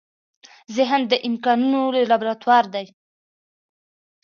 ذهن د امکانونو لابراتوار دی.